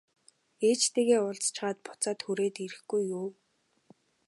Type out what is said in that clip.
Ээжтэйгээ уулзчихаад буцаад хүрээд ирэхгүй юу?